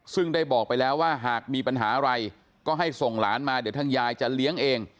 ซึ่งได้บอกไปแล้วว่าหากมีปัญหาอะไรก็ให้ส่งหลานมาเดี๋ยวทางยายจะเลี้ยงเอง